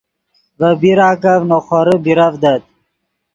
ڤے پیراکف نے خورے بیرڤدت